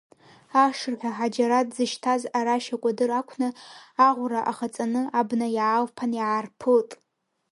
Ашырҳәа Ҳаџьараҭ дзышьҭаз арашь акәадыр ақәны, аӷәра ахаҵаны, абна иаалԥан иаарԥылт.